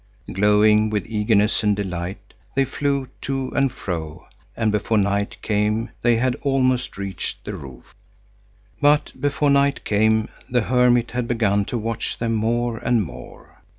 Glowing with eagerness and delight, they flew to and fro, and before night came they had almost reached the roof. But before night came, the hermit had begun to watch them more and more.